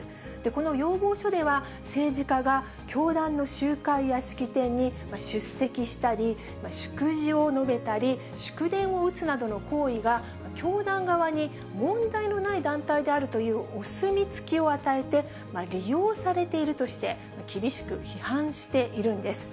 この要望書では、政治家が教団の集会や式典に出席したり、祝辞を述べたり、祝電を打つなどの行為が教団側に問題のない団体であるというお墨付きを与えて、利用されているとして、厳しく批判しているんです。